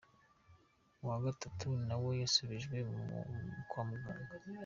Uwa gatatu nawe yasubijwe kwa muganga.